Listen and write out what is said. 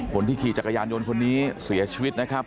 คนที่ขี่จักรยานยนต์คนนี้เสียชีวิตนะครับ